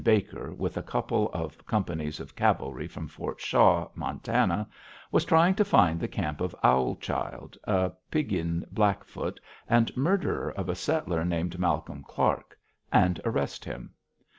Baker, with a couple of companies of cavalry from Fort Shaw, Montana, was trying to find the camp of Owl Child, a Piegan Blackfoot, and murderer of a settler named Malcolm Clark, and arrest him.